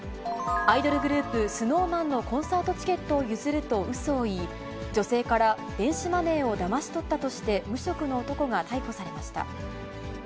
アイドルグループ、ＳｎｏｗＭａｎのコンサートチケットを譲るとうそを言い、女性から電子マネーをだまし取ったとして、無職の男が逮捕されました。